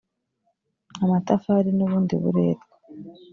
amatafari n ubundi buretwa